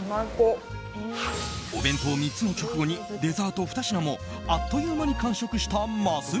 お弁当３つの直後にデザート２品もあっという間に完食したます